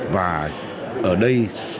và ở đây